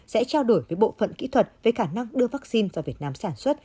sẽ trao đổi với bộ phận kỹ thuật về khả năng đưa vaccine do việt nam sản xuất